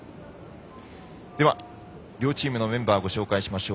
では、両チームのメンバーご紹介しましょう。